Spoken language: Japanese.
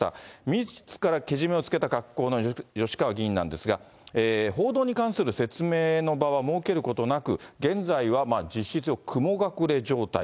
みずからけじめをつけた格好の吉川議員なんですが、報道に関する説明の場は設けることなく、現在は実質、雲隠れ状態。